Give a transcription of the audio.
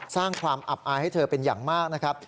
สร้างความอับอายให้เธอเป็นอย่างมากนะครับ